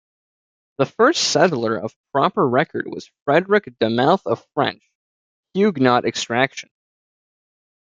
The first settler of proper record was Frederick DeMouth of French Huguenot extraction.